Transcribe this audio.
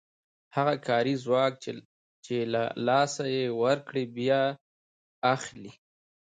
هغه کاري ځواک چې له لاسه یې ورکړی بیا اخلي